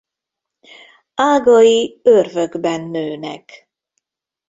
Ágai örvökben nőnek.